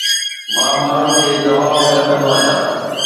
مان ماڻهن کي دٻاء ۾ رکندو آهيان